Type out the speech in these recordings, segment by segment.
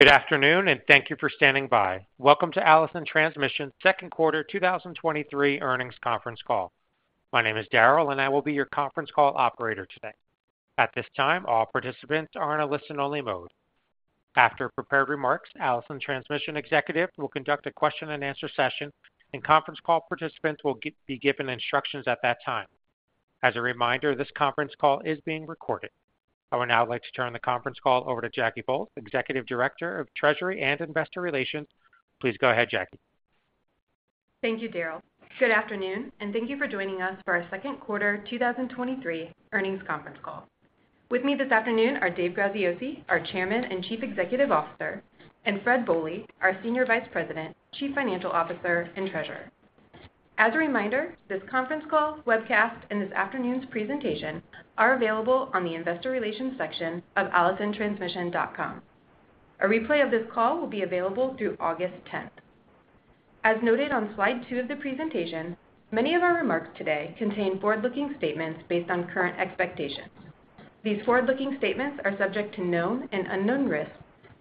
Good afternoon. Thank you for standing by. Welcome to Allison Transmission second quarter 2023 earnings conference call. My name is Daryl. I will be your conference call operator today. At this time, all participants are in a listen-only mode. After prepared remarks, Allison Transmission executive will conduct a question-and-answer session. Conference call participants will be given instructions at that time. As a reminder, this conference call is being recorded. I would now like to turn the conference call over to Jackie Bolles, Executive Director of Treasury and Investor Relations. Please go ahead, Jackie. Thank you, Daryl. Good afternoon, and thank you for joining us for our second quarter 2023 earnings conference call. With me this afternoon are David Graziosi, our Chairman and Chief Executive Officer, and Fred Bohley, our Senior Vice President, Chief Financial Officer, and Treasurer. As a reminder, this conference call, webcast, and this afternoon's presentation are available on the investor relations section of allisontransmission.com. A replay of this call will be available through August 10th. As noted on slide two of the presentation, many of our remarks today contain forward-looking statements based on current expectations. These forward-looking statements are subject to known and unknown risks,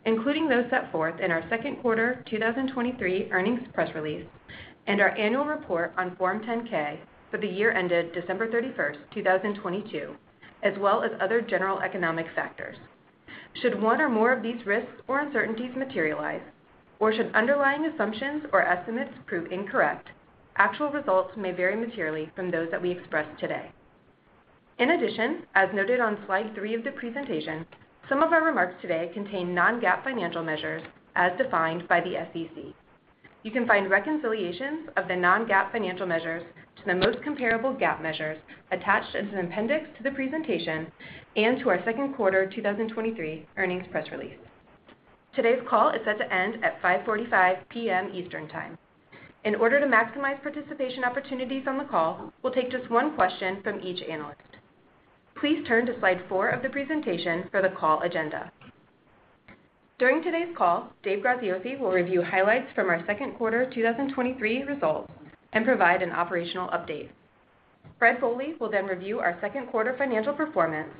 including those set forth in our second quarter 2023 earnings press release and our annual report on Form 10-K for the year ended December 31st, 2022, as well as other general economic factors. Should one or more of these risks or uncertainties materialize, or should underlying assumptions or estimates prove incorrect, actual results may vary materially from those that we express today. In addition, as noted on slide 3 of the presentation, some of our remarks today contain non-GAAP financial measures as defined by the SEC. You can find reconciliations of the non-GAAP financial measures to the most comparable GAAP measures attached as an appendix to the presentation and to our second quarter 2023 earnings press release. Today's call is set to end at 5:45 P.M. Eastern Time. In order to maximize participation opportunities on the call, we'll take just one question from each analyst. Please turn to slide 4 of the presentation for the call agenda. During today's call, David Graziosi will review highlights from our second quarter 2023 results and provide an operational update. Fred Bohley will then review our second quarter financial performance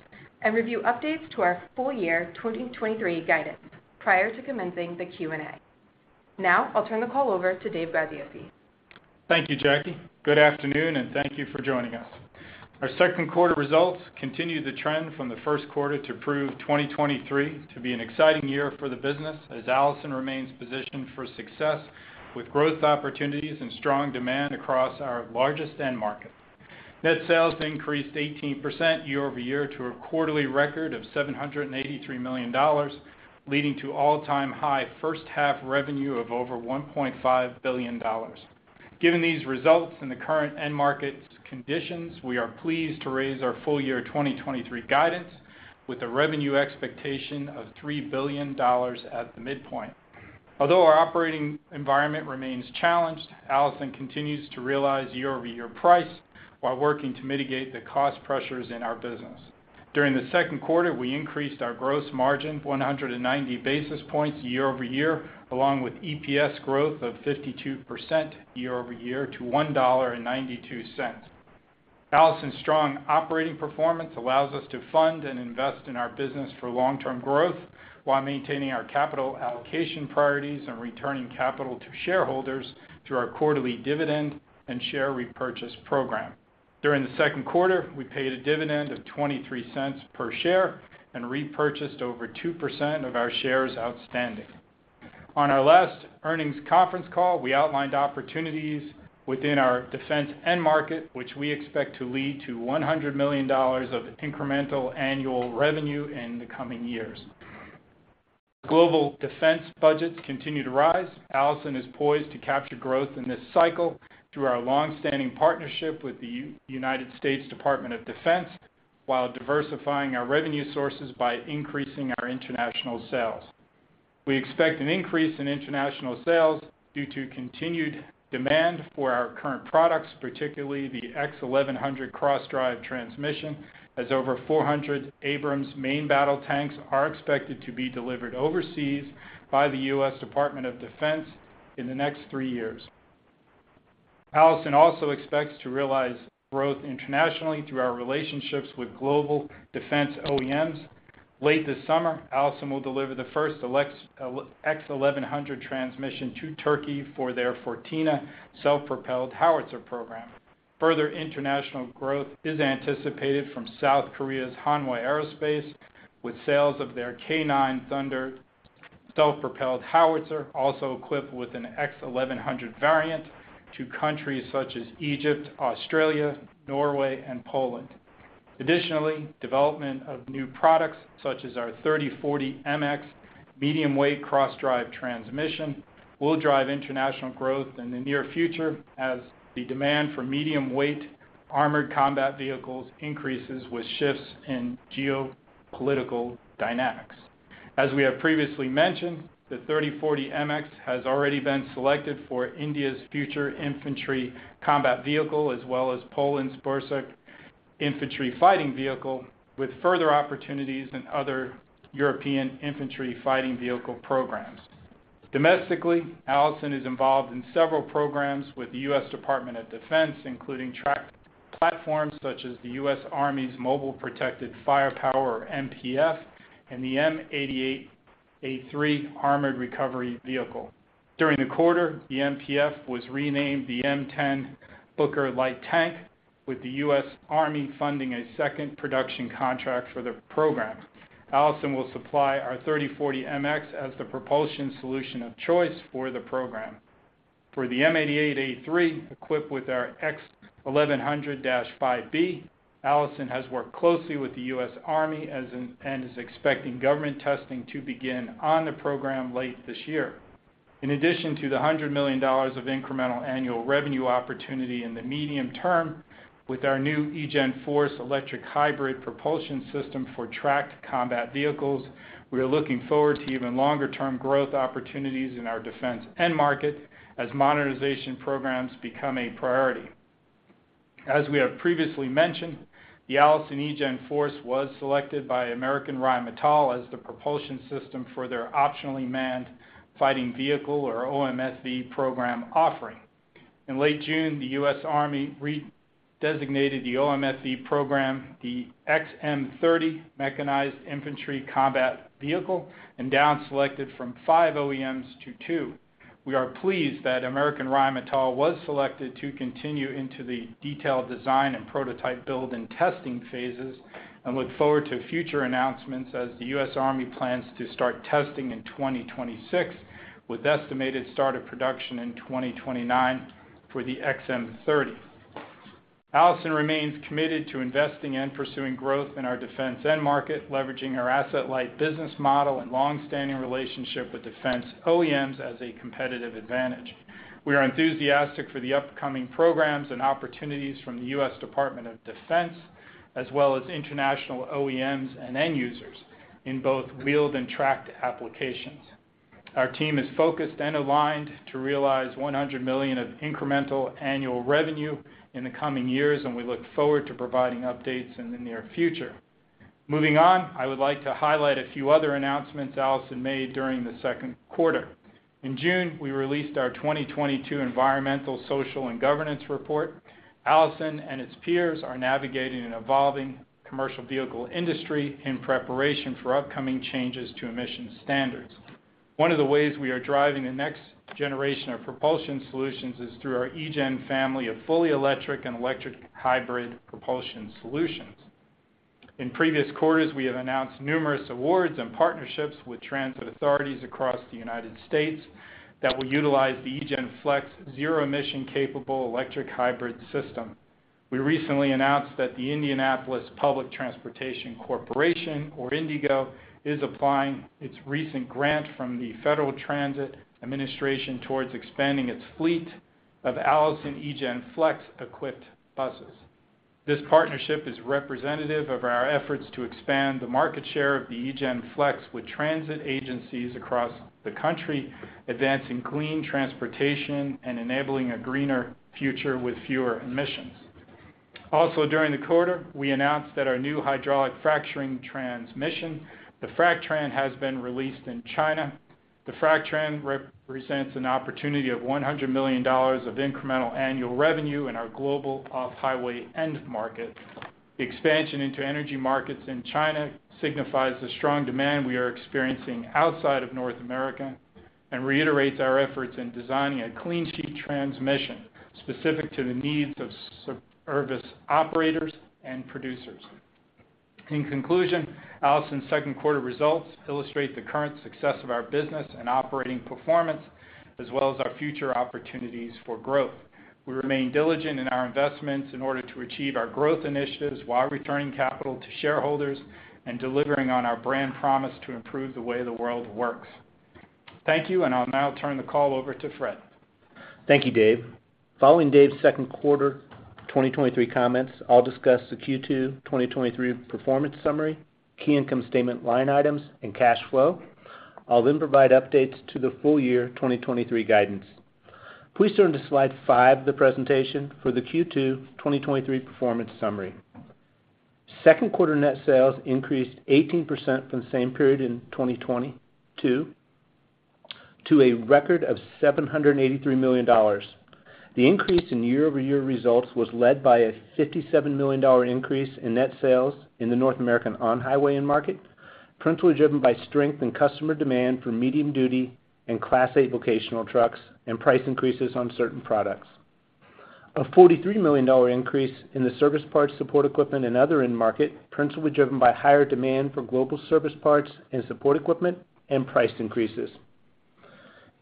and review updates to our full year 2023 guidance prior to commencing the Q&A. I'll turn the call over to David Graziosi. Thank you, Jackie. Good afternoon. Thank you for joining us. Our second quarter results continue the trend from the first quarter to prove 2023 to be an exciting year for the business, as Allison remains positioned for success with growth opportunities and strong demand across our largest end market. Net sales increased 18% year-over-year to a quarterly record of $783 million, leading to all-time high first half revenue of over $1.5 billion. Given these results and the current end market conditions, we are pleased to raise our full year 2023 guidance with a revenue expectation of $3 billion at the midpoint. Although our operating environment remains challenged, Allison continues to realize year-over-year price while working to mitigate the cost pressures in our business. During the second quarter, we increased our gross margin 190 basis points year-over-year, along with EPS growth of 52% year-over-year to $1.92. Allison's strong operating performance allows us to fund and invest in our business for long-term growth while maintaining our capital allocation priorities and returning capital to shareholders through our quarterly dividend and share repurchase program. During the second quarter, we paid a dividend of $0.23 per share and repurchased over 2% of our shares outstanding. On our last earnings conference call, we outlined opportunities within our defense end market, which we expect to lead to $100 million of incremental annual revenue in the coming years. Global defense budgets continue to rise. Allison is poised to capture growth in this cycle through our long-standing partnership with the United States Department of Defense, while diversifying our revenue sources by increasing our international sales. We expect an increase in international sales due to continued demand for our current products, particularly the X1100 cross-drive transmission, as over 400 Abrams main battle tanks are expected to be delivered overseas by the U.S. Department of Defense in the next 3 years. Allison also expects to realize growth internationally through our relationships with global defense OEMs. Late this summer, Allison will deliver the first X1100 transmission to Turkey for their Firtina self-propelled howitzer program. Further international growth is anticipated from South Korea's Hanwha Aerospace, with sales of their K9 Thunder self-propelled howitzer, also equipped with an X1100 variant, to countries such as Egypt, Australia, Norway, and Poland. Additionally, development of new products, such as our 3040 MX medium-weight cross-drive transmission, will drive international growth in the near future as the demand for medium-weight armored combat vehicles increases with shifts in geopolitical dynamics. As we have previously mentioned, the 3040 MX has already been selected for India's Future Infantry Combat Vehicle, as well as Poland's Borsuk Infantry Fighting Vehicle, with further opportunities in other European infantry fighting vehicle programs. Domestically, Allison is involved in several programs with the U.S. Department of Defense, including tracked platforms such as the U.S. Army's Mobile Protected Firepower, MPF, and the M88A3 Armored Recovery Vehicle. During the quarter, the MPF was renamed the M10 Booker Light Tank, with the U.S. Army funding a second production contract for the program. Allison will supply our 3040 MX as the propulsion solution of choice for the program. For the M88A3, equipped with our X1100-5B, Allison has worked closely with the U.S. Army as and is expecting government testing to begin on the program late this year. In addition to the $100 million of incremental annual revenue opportunity in the medium term, with our new eGen Force electric hybrid propulsion system for tracked combat vehicles, we are looking forward to even longer-term growth opportunities in our defense end market as monetization programs become a priority. As we have previously mentioned, the Allison eGen Force was selected by American Rheinmetall as the propulsion system for their Optionally Manned Fighting Vehicle, or OMFV, program offering. In late June, the U.S. Army redesignated the OMFV program, the XM30 Mechanized Infantry Combat Vehicle, and downselected from five OEMs to two. We are pleased that American Rheinmetall was selected to continue into the detailed design and prototype build and testing phases, and look forward to future announcements as the U.S. Army plans to start testing in 2026, with estimated start of production in 2029 for the XM30. Allison remains committed to investing and pursuing growth in our defense end market, leveraging our asset-light business model and long-standing relationship with defense OEMs as a competitive advantage. We are enthusiastic for the upcoming programs and opportunities from the U.S. Department of Defense, as well as international OEMs and end users in both wheeled and tracked applications. Our team is focused and aligned to realize $100 million of incremental annual revenue in the coming years, and we look forward to providing updates in the near future. Moving on, I would like to highlight a few other announcements Allison made during the second quarter. In June, we released our 2022 environmental, social, and governance report. Allison and its peers are navigating an evolving commercial vehicle industry in preparation for upcoming changes to emission standards. One of the ways we are driving the next generation of propulsion solutions is through our eGen family of fully electric and electric hybrid propulsion solutions. In previous quarters, we have announced numerous awards and partnerships with transit authorities across the United States that will utilize the eGen Flex zero-emission-capable electric hybrid system. We recently announced that the Indianapolis Public Transportation Corporation, or IndyGo, is applying its recent grant from the Federal Transit Administration towards expanding its fleet of Allison eGen Flex-equipped buses. This partnership is representative of our efforts to expand the market share of the eGen Flex with transit agencies across the country, advancing clean transportation and enabling a greener future with fewer emissions. Also, during the quarter, we announced that our new hydraulic fracturing transmission, the FracTran, has been released in China. The FracTran represents an opportunity of $100 million of incremental annual revenue in our global off-highway end market. Expansion into energy markets in China signifies the strong demand we are experiencing outside of North America, and reiterates our efforts in designing a clean sheet transmission specific to the needs of service operators and producers. In conclusion, Allison's second quarter results illustrate the current success of our business and operating performance, as well as our future opportunities for growth. We remain diligent in our investments in order to achieve our growth initiatives while returning capital to shareholders and delivering on our brand promise to improve the way the world works. Thank you, and I'll now turn the call over to Fred. Thank you, Dave. Following Dave's second quarter 2023 comments, I'll discuss the Q2 2023 performance summary, key income statement line items, and cash flow. I'll then provide updates to the full year 2023 guidance. Please turn to slide 5 of the presentation for the Q2 2023 performance summary. Second quarter net sales increased 18% from the same period in 2022 to a record of $783 million. The increase in year-over-year results was led by a $57 million increase in net sales in the North America On-Highway end market, principally driven by strength in customer demand for medium-duty and Class 8 vocational trucks, and price increases on certain products. A $43 million increase in the service parts, support equipment, and other end market, principally driven by higher demand for global service parts and support equipment and price increases.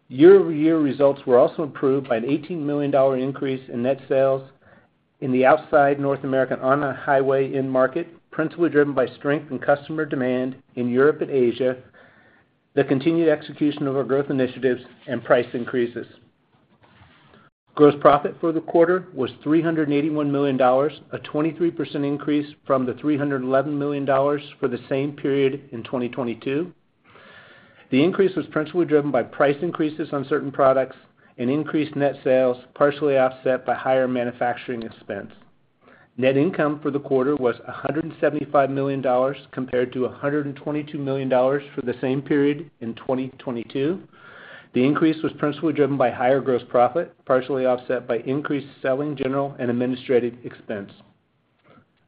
Year-over-year results were also improved by an $18 million increase in net sales in the Outside North America On-Highway end market, principally driven by strength in customer demand in Europe and Asia, the continued execution of our growth initiatives, and price increases. Gross profit for the quarter was $381 million, a 23% increase from the $311 million for the same period in 2022. The increase was principally driven by price increases on certain products and increased net sales, partially offset by higher manufacturing expense. Net income for the quarter was $175 million compared to $122 million for the same period in 2022. The increase was principally driven by higher gross profit, partially offset by increased selling, general, and administrative expense.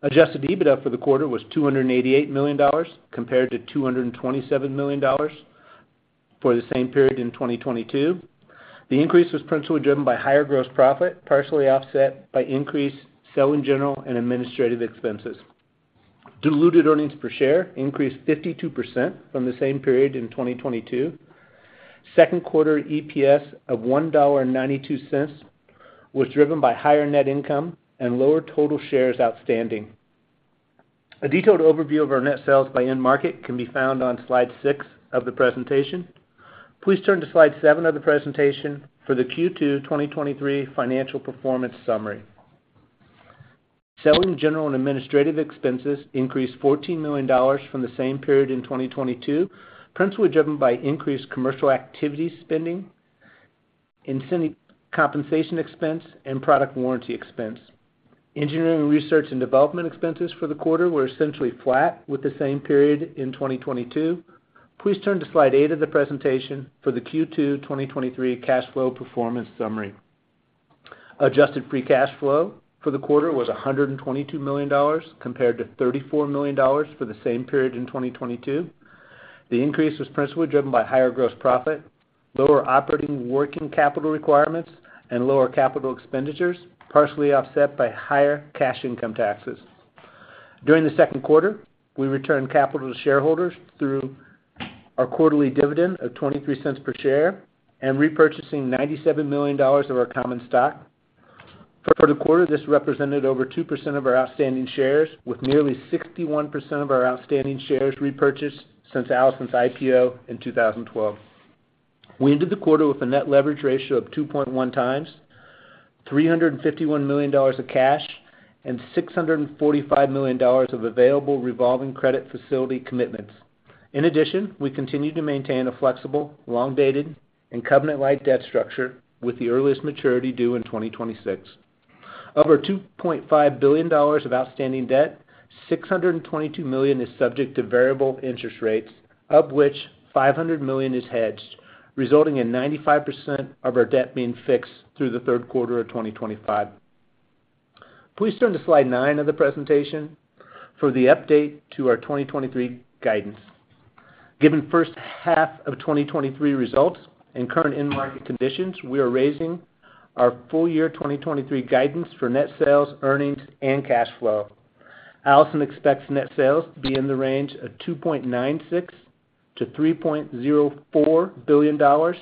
Adjusted EBITDA for the quarter was $288 million compared to $227 million for the same period in 2022. The increase was principally driven by higher gross profit, partially offset by increased selling, general, and administrative expenses. Diluted earnings per share increased 52% from the same period in 2022. Second quarter EPS of $1.92 was driven by higher net income and lower total shares outstanding. A detailed overview of our net sales by end market can be found on slide 6 of the presentation. Please turn to slide 7 of the presentation for the Q2 2023 financial performance summary. Selling, general, and administrative expenses increased $14 million from the same period in 2022, principally driven by increased commercial activity spending, incentive compensation expense, and product warranty expense. Engineering, research, and development expenses for the quarter were essentially flat with the same period in 2022. Please turn to slide 8 of the presentation for the Q2 2023 cash flow performance summary. Adjusted Free Cash Flow for the quarter was $122 million, compared to $34 million for the same period in 2022. The increase was principally driven by higher gross profit, lower operating working capital requirements, and lower capital expenditures, partially offset by higher cash income taxes. During the second quarter, we returned capital to shareholders through our quarterly dividend of $0.23 per share and repurchasing $97 million of our common stock. For the quarter, this represented over 2% of our outstanding shares, with nearly 61% of our outstanding shares repurchased since Allison's IPO in 2012. We ended the quarter with a net leverage ratio of 2.1x, $351 million of cash, and $645 million of available revolving credit facility commitments. We continue to maintain a flexible, long-dated, and covenant-light debt structure, with the earliest maturity due in 2026. Of our $2.5 billion of outstanding debt, $622 million is subject to variable interest rates, of which $500 million is hedged, resulting in 95% of our debt being fixed through the third quarter of 2025. Please turn to slide 9 of the presentation for the update to our 2023 guidance. Given first half of 2023 results and current end market conditions, we are raising our full year 2023 guidance for net sales, earnings, and cash flow. Allison expects net sales to be in the range of $2.96 billion-$3.04 billion.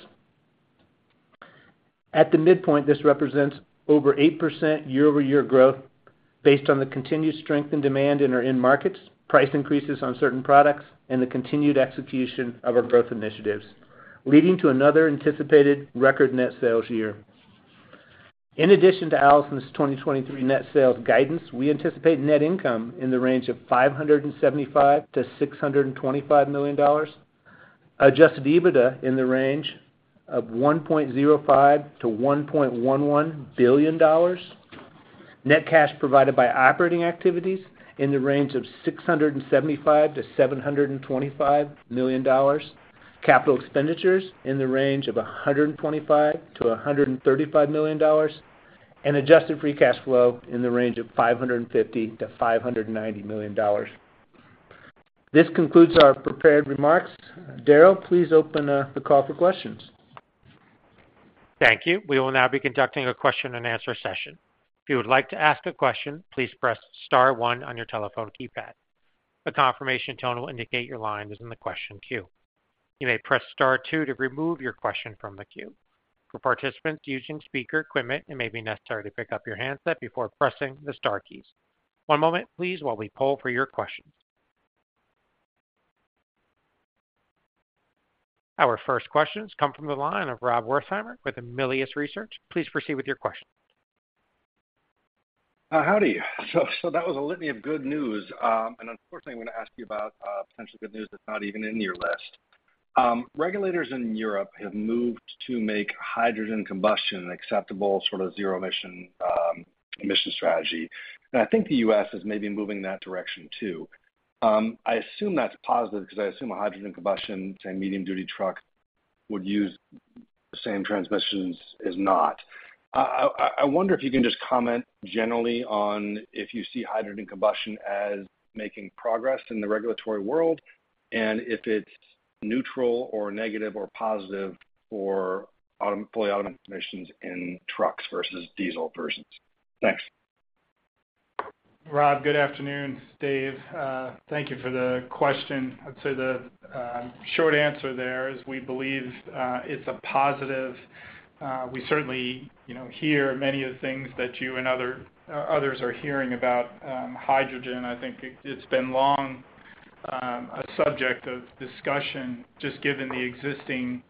At the midpoint, this represents over 8% year-over-year growth based on the continued strength and demand in our end markets, price increases on certain products, and the continued execution of our growth initiatives, leading to another anticipated record net sales year. In addition to Allison's 2023 net sales guidance, we anticipate net income in the range of $575 million-$625 million, Adjusted EBITDA in the range of $1.05 billion-$1.11 billion, net cash provided by operating activities in the range of $675 million-$725 million, capital expenditures in the range of $125 million-$135 million, and Adjusted Free Cash Flow in the range of $550 million-$590 million. This concludes our prepared remarks. Daryl, please open the call for questions. Thank you. We will now be conducting a question-and-answer session. If you would like to ask a question, please press star one on your telephone keypad. A confirmation tone will indicate your line is in the question queue. You may press star two to remove your question from the queue. For participants using speaker equipment, it may be necessary to pick up your handset before pressing the star keys. One moment, please, while we poll for your questions. Our first questions come from the line of Rob Wertheimer with Melius Research. Please proceed with your question. Howdy. So that was a litany of good news, and unfortunately, I'm gonna ask you about potential good news that's not even in your list. Regulators in Europe have moved to make hydrogen combustion an acceptable sort of zero emission emission strategy, and I think the U.S. is maybe moving in that direction, too. I assume that's positive because I assume a hydrogen combustion and medium-duty truck would use the same transmissions as not. I, I wonder if you can just comment generally on if you see hydrogen combustion as making progress in the regulatory world, and if it's neutral, or negative, or positive for fully automated emissions in trucks versus diesel versions? Thanks. Rob, good afternoon. Dave, thank you for the question. I'd say the short answer there is we believe it's a positive. We certainly, you know, hear many of the things that you and other, others are hearing about hydrogen. I think it, it's been long a subject of discussion, just given the existing.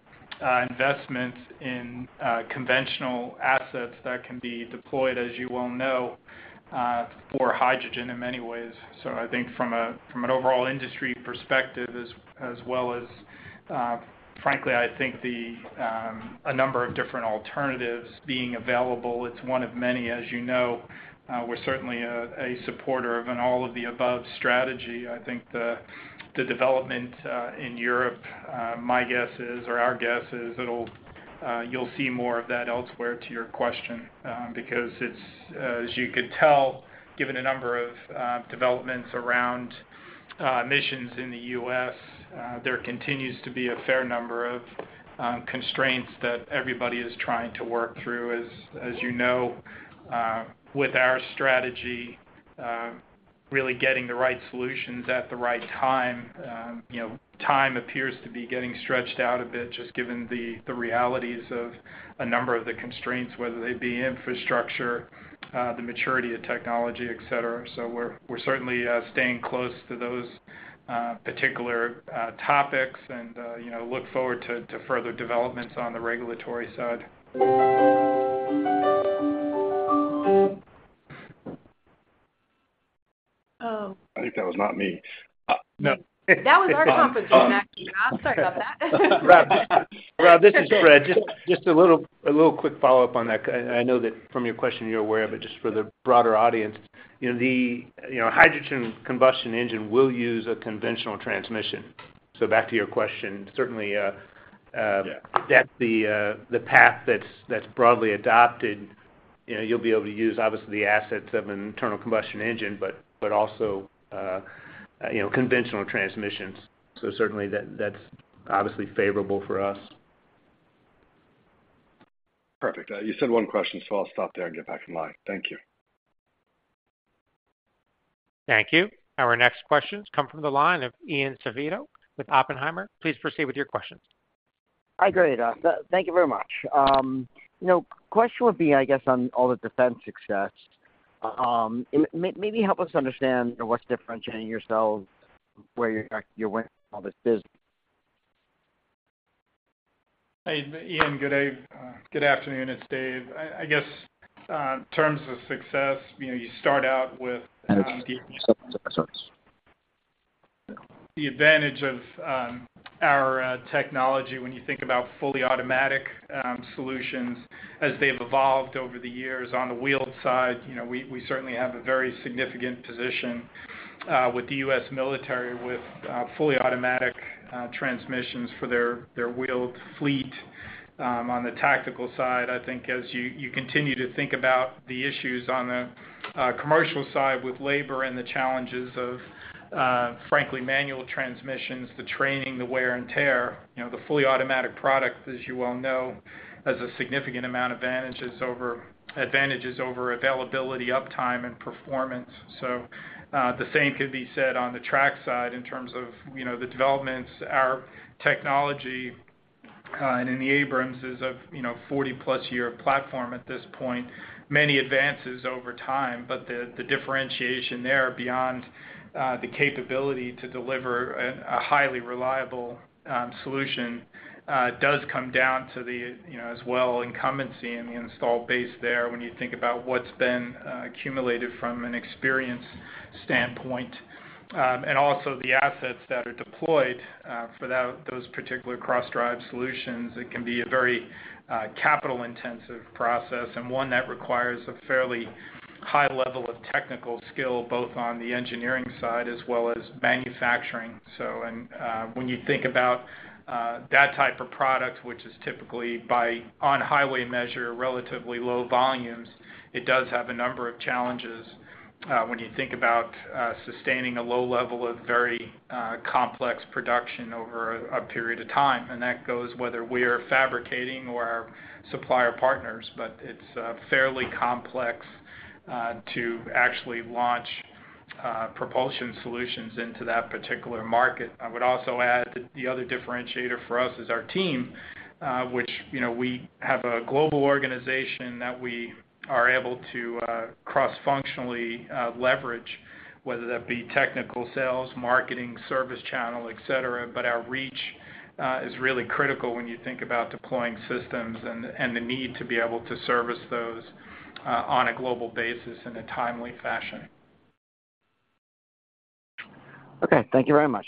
Investments in conventional assets that can be deployed, as you well know, for hydrogen in many ways. I think from an overall industry perspective as well as, frankly, I think the a number of different alternatives being available, it's one of many, as you know. We're certainly a supporter of an all-of-the-above strategy. I think the development in Europe, my guess is, or our guess is it'll, you'll see more of that elsewhere to your question, because it's, as you could tell, given a number of developments around missions in the U.S., there continues to be a fair number of constraints that everybody is trying to work through. As, as you know, with our strategy, really getting the right solutions at the right time, you know, time appears to be getting stretched out a bit, just given the, the realities of a number of the constraints, whether they be infrastructure, the maturity of technology, et cetera. We're, we're certainly staying close to those particular topics and, you know, look forward to further developments on the regulatory side. Oh. I think that was not me. No. That was our conference room, actually. I'm sorry about that. Rob, Rob, this is Fred. Just, just a little, a little quick follow-up on that. I, I know that from your question, you're aware of it, just for the broader audience. You know, the, you know, hydrogen combustion engine will use a conventional transmission. Back to your question, certainly. Yeah That the, the path that's, that's broadly adopted, you know, you'll be able to use obviously, the assets of an internal combustion engine, but also, you know, conventional transmissions. Certainly, that's obviously favorable for us. Perfect. You said one question, so I'll stop there and get back in line. Thank you. Thank you. Our next questions come from the line of Ian Zaffino with Oppenheimer. Please proceed with your question. Hi, great. Thank you very much. You know, question would be, I guess, on all the defense success. Maybe help us understand what's differentiating yourselves, where you're going with all this business? Hey, Ian, good day. Good afternoon, it's Dave. I, I guess, in terms of success, you know, you start out with the advantage of our technology when you think about fully automatic solutions as they've evolved over the years on the wheeled side, you know, we, we certainly have a very significant position with the U.S. military, with fully automatic transmissions for their, their wheeled fleet. On the tactical side, I think as you, you continue to think about the issues on the commercial side with labor and the challenges of frankly, manual transmissions, the training, the wear and tear, you know, the fully automatic product, as you well know, has a significant amount of advantages over, advantages over availability, uptime, and performance. The same could be said on the track side in terms of, you know, the developments. Our technology, and in the Abrams is a, you know, 40-plus year platform at this point, many advances over time. The, the differentiation there beyond the capability to deliver a, a highly reliable solution, does come down to the, you know, as well, incumbency and the installed base there, when you think about what's been accumulated from an experience standpoint. Also the assets that are deployed for that-- those particular cross-drive solutions, it can be a very capital-intensive process and one that requires a fairly high level of technical skill, both on the engineering side as well as manufacturing. When you think about that type of product, which is typically by on-highway measure, relatively low volumes, it does have a number of challenges when you think about sustaining a low level of very complex production over a period of time. That goes whether we are fabricating or our supplier partners, but it's fairly complex to actually launch propulsion solutions into that particular market. I would also add that the other differentiator for us is our team, which, you know, we have a global organization that we are able to cross-functionally leverage, whether that be technical sales, marketing, service channel, et cetera. Our reach is really critical when you think about deploying systems and, and the need to be able to service those on a global basis in a timely fashion. Okay, thank you very much.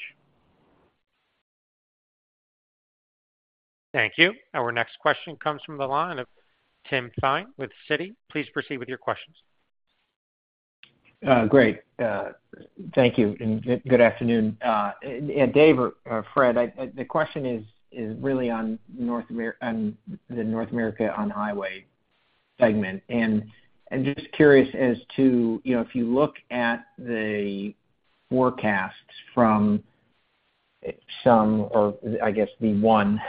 Thank you. Our next question comes from the line of Tim Thein with Citi. Please proceed with your questions. Great. Thank you, and good afternoon. Dave or, Fred, the question is, is really on North America On-Highway segment. Just curious as to, you know, if you look at the forecasts from some or I guess, the one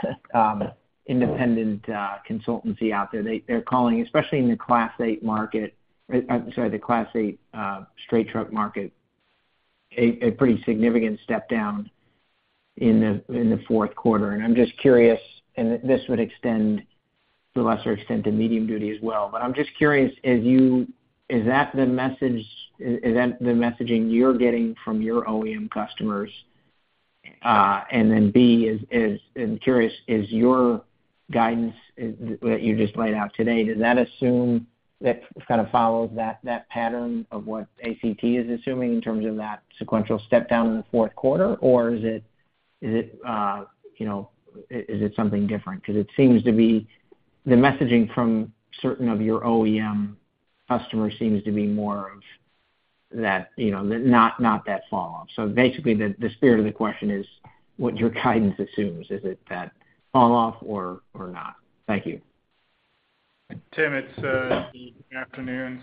independent consultancy out there, they, they're calling, especially in the Class 8 market, I'm sorry, the Class 8 straight truck market, a pretty significant step down in the fourth quarter. I'm just curious, and this would extend to a lesser extent, the medium-duty as well. I'm just curious, is that the message, is, is that the messaging you're getting from your OEM customers? Then B, I'm curious, is your guidance that you just laid out today, does that assume that it kind of follows that pattern of what ACT is assuming in terms of that sequential step down in the fourth quarter? Or is it, you know, is it something different? Because it seems to be the messaging from certain of your OEM customers seems to be more of that, you know, not that fall-off. Basically, the spirit of the question is what your guidance assumes. Is it that fall-off or not? Thank you. Tim, it's good afternoon.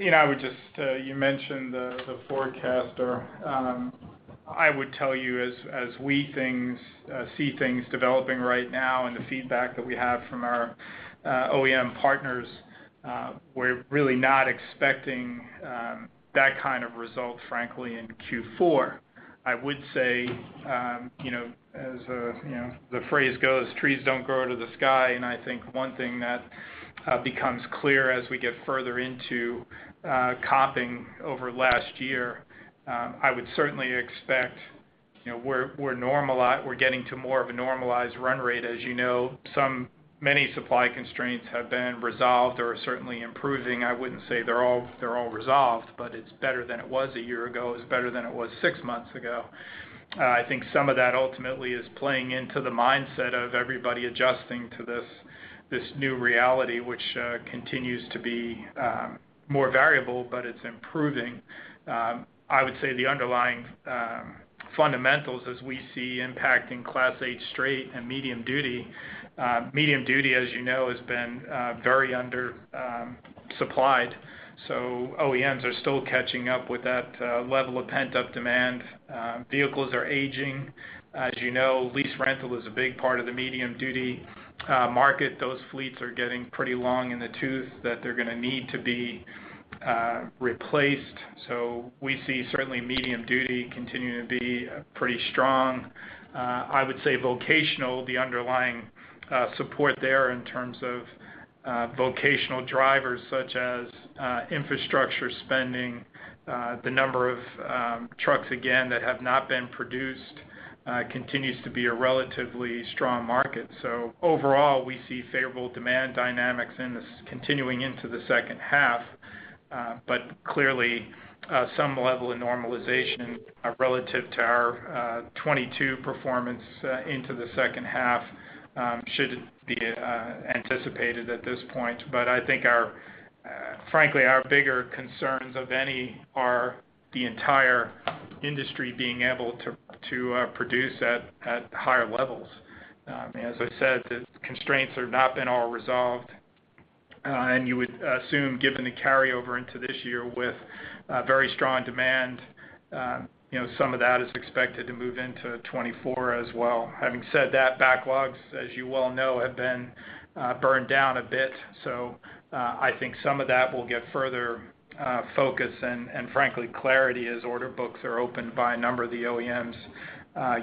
You know, I would just, you mentioned the, the forecaster. I would tell you as, as we things, see things developing right now and the feedback that we have from our OEM partners, we're really not expecting that kind of result, frankly, in Q4. I would say, you know, as, you know, the phrase goes, "Trees don't grow to the sky." I think one thing that becomes clear as we get further into comping over last year, I would certainly expect, you know, we're getting to more of a normalized run rate. As you know, some many supply constraints have been resolved or are certainly improving. I wouldn't say they're all, they're all resolved, but it's better than it was a year ago. It's better than it was six months ago. I think some of that ultimately is playing into the mindset of everybody adjusting to this, this new reality, which continues to be more variable, but it's improving. I would say the underlying fundamentals as we see impacting Class eight straight and medium-duty, medium-duty, as you know, has been very under-supplied. OEMs are still catching up with that level of pent-up demand. Vehicles are aging. As you know, lease rental is a big part of the medium-duty market. Those fleets are getting pretty long in the tooth that they're gonna need to be replaced. We see certainly medium-duty continuing to be pretty strong. I would say vocational, the underlying support there in terms of vocational drivers, such as infrastructure spending, the number of trucks, again, that have not been produced, continues to be a relatively strong market. Overall, we see favorable demand dynamics in this continuing into the second half. Clearly, some level of normalization are relative to our 2022 performance, into the second half, should be anticipated at this point. I think our, frankly, our bigger concerns of any are the entire industry being able to, to produce at, at higher levels. As I said, the constraints have not been all resolved, you would assume, given the carryover into this year with very strong demand, you know, some of that is expected to move into 2024 as well. Having said that, backlogs, as you well know, have been burned down a bit, so I think some of that will get further focus and, and frankly, clarity as order books are opened by a number of the OEMs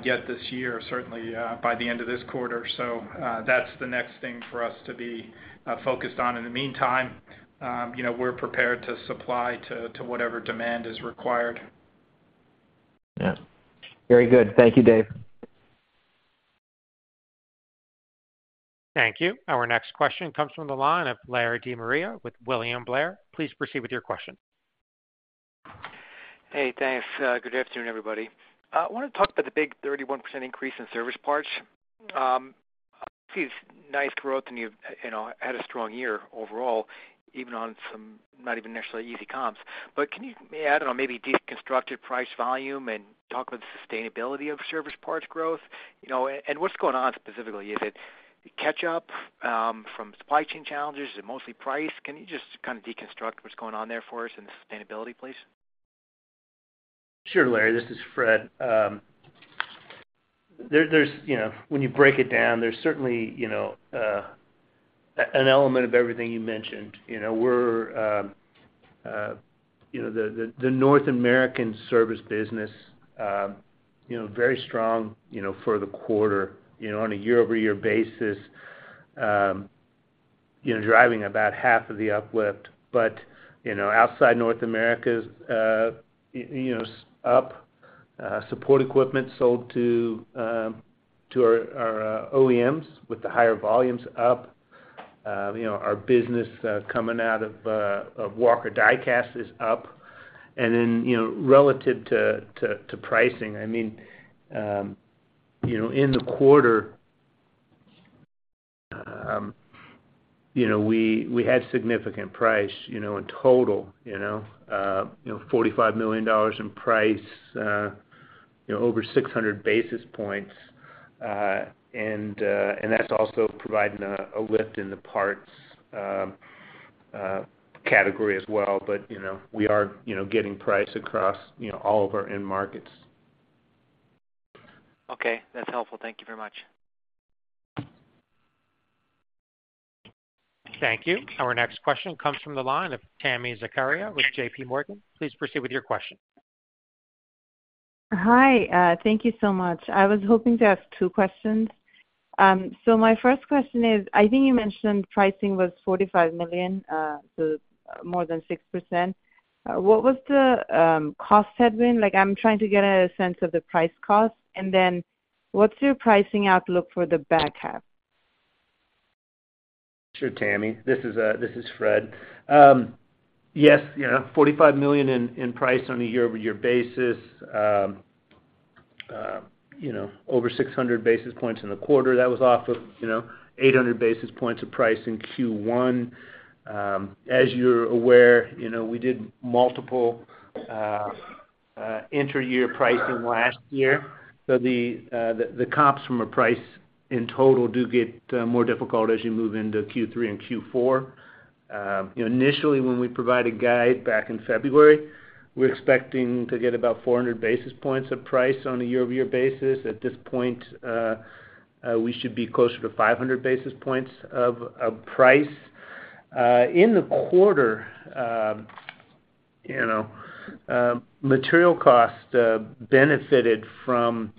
yet this year, certainly by the end of this quarter. That's the next thing for us to be focused on. In the meantime, you know, we're prepared to supply to whatever demand is required. Yeah. Very good. Thank you, Dave. Thank you. Our next question comes from the line of Larry De Maria with William Blair. Please proceed with your question. Hey, thanks. Good afternoon, everybody. I wanna talk about the big 31% increase in service parts. I see it's nice growth, and you've, you know, had a strong year overall, even on some, not even necessarily easy comps. Can you, I don't know, maybe deconstruct your price volume and talk about the sustainability of service parts growth? What's going on specifically? Is it catch up from supply chain challenges? Is it mostly price? Can you just kind of deconstruct what's going on there for us and the sustainability, please? Sure, Larry. This is Fred. There's, you know, when you break it down, there's certainly, you know, an element of everything you mentioned. You know, we're, you know, the North American service business, you know, very strong, you know, for the quarter, you know, on a year-over-year basis, you know, driving about half of the uplift. You know, outside North Americas, you know, up, support equipment sold to our OEMs with the higher volumes up, you know, our business, coming out of Walker Die Casting is up. Then, you know, relative to pricing, I mean, you know, in the quarter, you know, we, we had significant price, you know, in total, you know, $45 million in price, you know, over 600 basis points. And that's also providing a lift in the parts category as well. You know, we are, you know, getting price across, you know, all of our end markets. Okay, that's helpful. Thank you very much. Thank you. Our next question comes from the line of Tami Zakaria with JP Morgan. Please proceed with your question. Hi, thank you so much. I was hoping to ask two questions. My first question is, I think you mentioned pricing was $45 million, so more than 6%. What was the cost headwind? Like, I'm trying to get a sense of the price cost. Then what's your pricing outlook for the back half? Sure, Tami. This is, this is Fred. Yes, yeah, $45 million in, in price on a year-over-year basis, you know, over 600 basis points in the quarter. That was off of, you know, 800 basis points of price in Q1. As you're aware, you know, we did multiple, inter-year pricing last year. The, the comps from a price in total do get, more difficult as you move into Q3 and Q4. Initially, when we provided guide back in February, we were expecting to get about 400 basis points of price on a year-over-year basis. At this point, we should be closer to 500 basis points of, of price. In the quarter, you know, material costs, benefited from,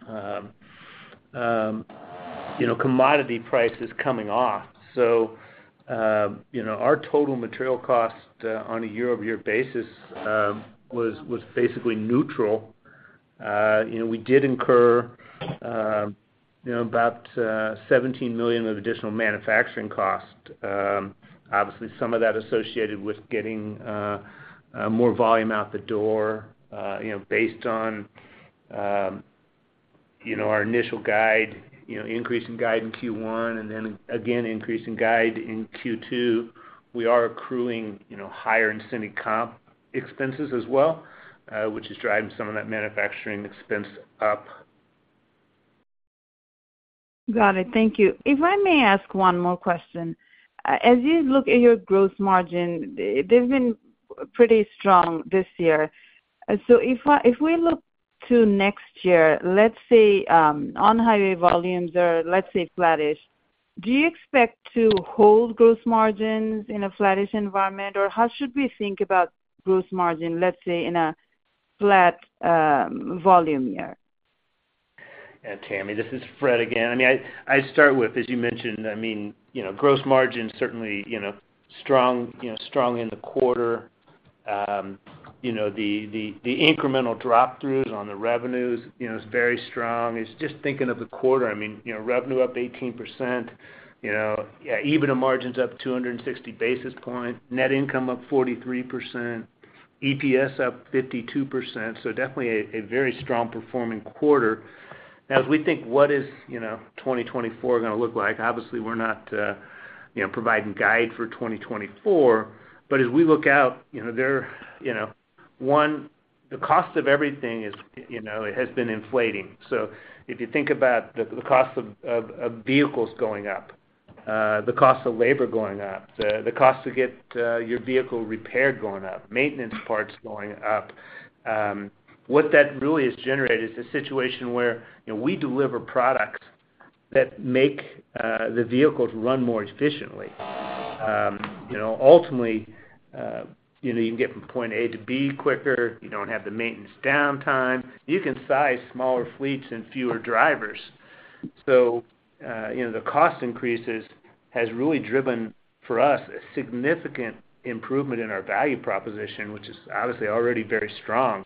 you know, commodity prices coming off. you know, our total material cost on a year-over-year basis was basically neutral. you know, we did incur, you know, about $17 million of additional manufacturing costs. Obviously, some of that associated with getting more volume out the door, you know, based on, you know, our initial guide, you know, increase in guide in Q1, and then again, increase in guide in Q2. We are accruing, you know, higher incentive comp expenses as well, which is driving some of that manufacturing expense up. Got it. Thank you. If I may ask one more question. As you look at your gross margin, they've been pretty strong this year. If I-- if we look to next year, let's say, on highway volumes are, let's say, flattish, do you expect to hold gross margins in a flattish environment? How should we think about gross margin, let's say, in a flat, volume year? Yeah, Tammy, this is Fred again. I mean, I'd start with, as you mentioned, I mean, you know, gross margin, certainly, you know, strong, you know, strong in the quarter. You know, the, the, the incremental drop-throughs on the revenues, you know, is very strong. It's just thinking of the quarter. I mean, you know, revenue up 18%, you know, EBITDA margins up 260 basis points, net income up 43%, EPS up 52%. Definitely a, a very strong performing quarter. As we think, what is, you know, 2024 gonna look like? Obviously, we're not, you know, providing guide for 2024, but as we look out, you know, there, you know, one, the cost of everything is, you know, it has been inflating. If you think about the cost of vehicles going up, the cost of labor going up, the cost to get your vehicle repaired going up, maintenance parts going up. What that really has generated is a situation where, you know, we deliver products that make the vehicles run more efficiently. You know, ultimately, you know, you can get from point A to B quicker, you don't have the maintenance downtime, you can size smaller fleets and fewer drivers. You know, the cost increases has really driven for us, a significant improvement in our value proposition, which is obviously already very strong.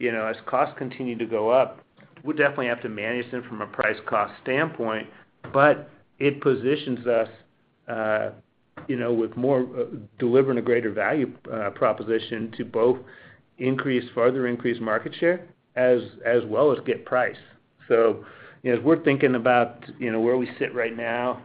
You know, as costs continue to go up, we definitely have to manage them from a price cost standpoint, but it positions us, you know, with more... Delivering a greater value proposition to both increase, further increase market share as, as well as get price. You know, as we're thinking about, you know, where we sit right now,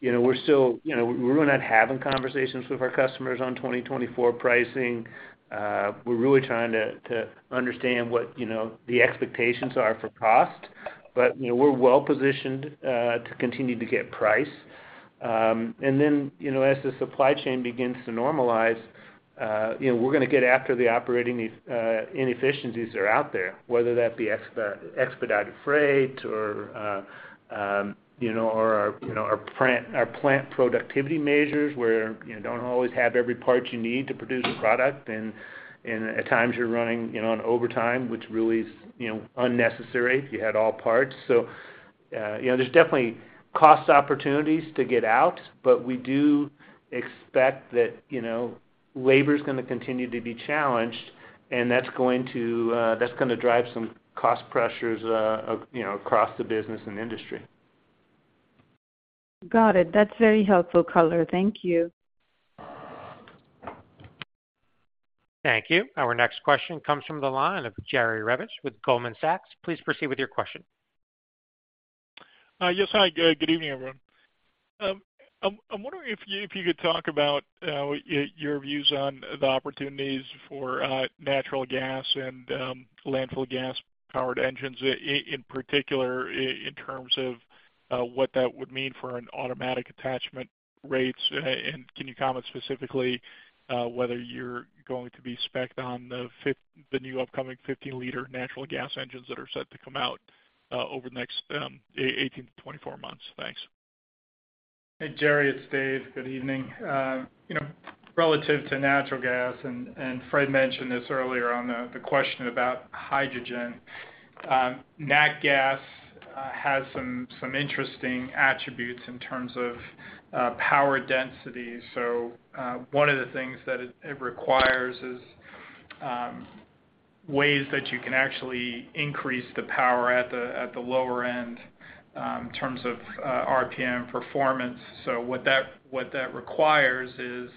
you know, we're still, you know, we're going out having conversations with our customers on 2024 pricing. We're really trying to understand what, you know, the expectations are for cost, but, you know, we're well positioned to continue to get price. Then, you know, as the supply chain begins to normalize, you know, we're gonna get after the operating inefficiencies that are out there, whether that be expe- expedited freight or, or, you know, our plant, our plant productivity measures, where, you know, you don't always have every part you need to produce a product. And at times you're running, you know, on overtime, which really is, you know, unnecessary if you had all parts. You know, there's definitely cost opportunities to get out, but we do expect that, you know, labor is gonna continue to be challenged, and that's going to, that's gonna drive some cost pressures, you know, across the business and industry. Got it. That's very helpful color. Thank you. Thank you. Our next question comes from the line of Jerry Revich with Goldman Sachs. Please proceed with your question. Yes. Hi, good evening, everyone. I'm wondering if you, if you could talk about your views on the opportunities for natural gas and landfill gas-powered engines, in particular, in terms of what that would mean for an automatic attachment rates? Can you comment specifically, whether you're going to be spec'd on the new upcoming 15-liter natural gas engines that are set to come out over the next 18-24 months? Thanks. Hey, Jerry, it's Dave. Good evening. You know, relative to natural gas, and Fred mentioned this earlier on the question about hydrogen. Nat gas has some, some interesting attributes in terms of power density. One of the things that it, it requires is ways that you can actually increase the power at the, at the lower end in terms of RPM performance. What that, what that requires is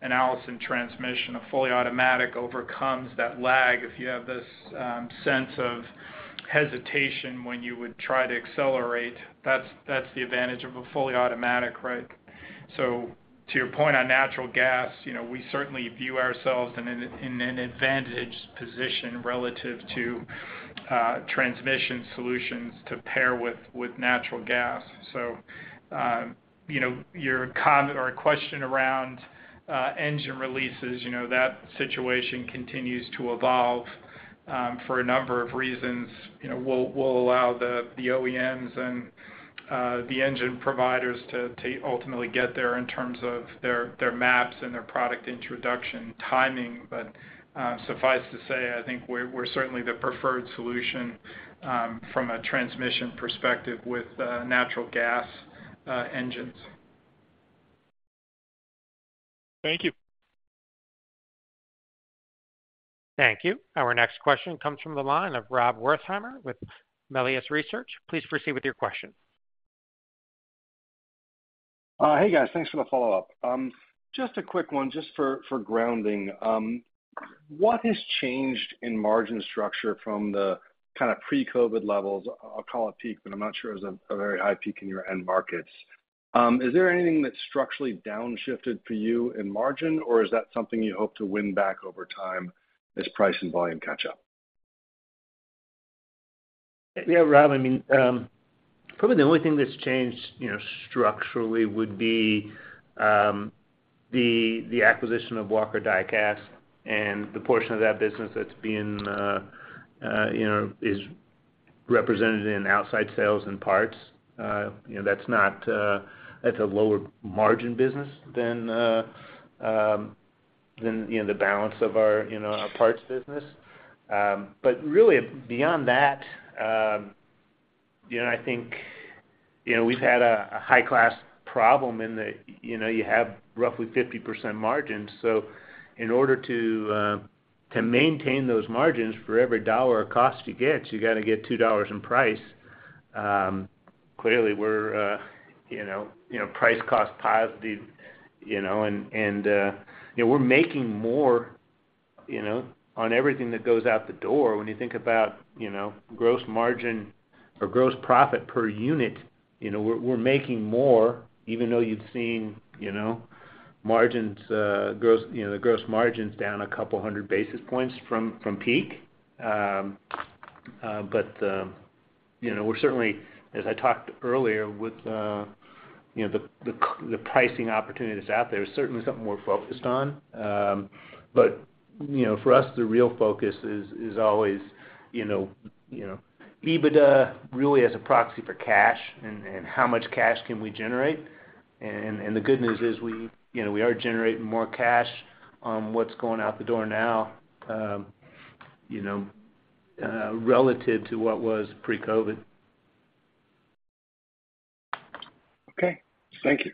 an Allison Transmission. A fully automatic overcomes that lag if you have this sense of hesitation when you would try to accelerate, that's, that's the advantage of a fully automatic, right? To your point on natural gas, you know, we certainly view ourselves in an, in an advantaged position relative to transmission solutions to pair with, with natural gas. You know, your comment or question around engine releases, you know, that situation continues to evolve for a number of reasons. You know, we'll, we'll allow the, the OEMs and the engine providers to, to ultimately get there in terms of their, their maps and their product introduction timing. Suffice to say, I think we're, we're certainly the preferred solution from a transmission perspective with natural gas engines. Thank you. Thank you. Our next question comes from the line of Rob Wertheimer with Melius Research. Please proceed with your question. Hey, guys. Thanks for the follow-up. Just a quick one, just for, for grounding. What has changed in margin structure from the kind of pre-COVID levels? I'll call it peak, but I'm not sure it was a, a very high peak in your end markets. Is there anything that structurally downshifted for you in margin, or is that something you hope to win back over time as price and volume catch up? Yeah, Rob, I mean, probably the only thing that's changed, you know, structurally would be, the acquisition of Walker Die Casting and the portion of that business that's being, you know, is represented in outside sales and parts. You know, That's a lower margin business than, than, you know, the balance of our, you know, our parts business. Really, beyond that, you know, I think, you know, we've had a, a high-class problem in that, you know, you have roughly 50% margins. In order to, to maintain those margins, for every $1 of cost you get, you gotta get $2 in price. Clearly, we're, you know, you know, price cost positive, you know, and, and, you know, we're making more, you know, on everything that goes out the door. When you think about, you know, gross margin or gross profit per unit, you know, we're, we're making more, even though you've seen, you know, margins, gross, you know, the gross margins down 200 basis points from peak. You know, we're certainly, as I talked earlier, with, you know, the pricing opportunities out there, is certainly something we're focused on. You know, for us, the real focus is always, you know, EBITDA really as a proxy for cash and how much cash can we generate. The good news is we, you know, we are generating more cash on what's going out the door now, relative to what was pre-COVID. Okay. Thank you.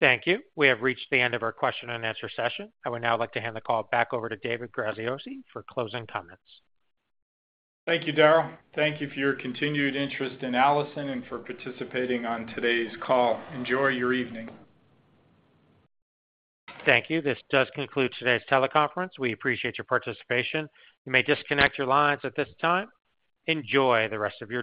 Thank you. We have reached the end of our question-and-answer session. I would now like to hand the call back over to David Graziosi for closing comments. Thank you, Daryl. Thank you for your continued interest in Allison and for participating on today's call. Enjoy your evening. Thank you. This does conclude today's teleconference. We appreciate your participation. You may disconnect your lines at this time. Enjoy the rest of your day.